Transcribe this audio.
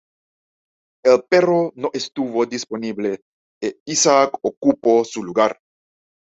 El perro no estuvo disponible e Isaac ocupó su lugar.